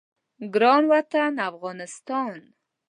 ګران وطن افغانستان